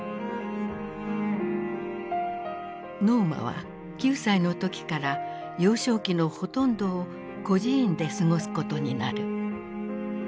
ノーマは９歳の時から幼少期のほとんどを孤児院で過ごすことになる。